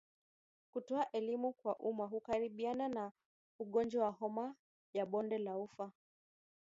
Kutoa Elimu kwa umma hukabiliana na ugonjwa wa homa ya bonde la ufa